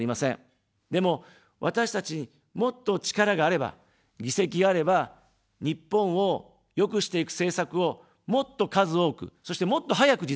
でも、私たちに、もっと力があれば、議席があれば、日本を良くしていく政策を、もっと数多く、そして、もっと早く実現できます。